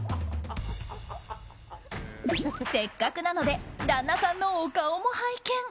せっかくなので旦那さんのお顔も拝見。